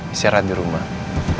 bisa rada di rumah